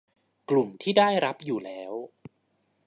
กลุ่มที่ได้รับอยู่แล้ว